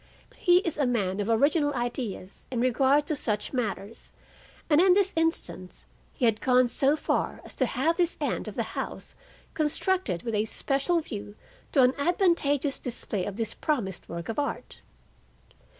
He is a man of original ideas in regard to such matters, and in this instance had gone so far as to have this end of the house constructed with a special view to an advantageous display of this promised work of art.